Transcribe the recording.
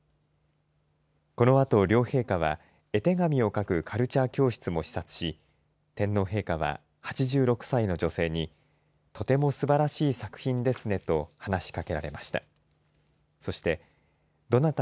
このあと両陛下は、絵手紙を描くカルチャー教室も視察し天皇陛下は８６歳の女性にとても素晴らしい作品ですねと話しかけられました。